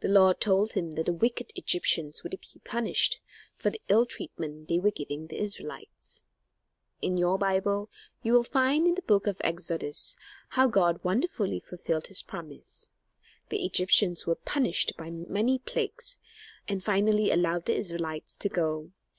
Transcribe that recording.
The Lord told him that the wicked Egyptians would be punished for the ill treatment they were giving the Israelites. In your Bible you will find in the book of Exodus how God wonderfully fulfilled his promise. The Egyptians were punished by many plagues, and finally allowed the Israelites to go.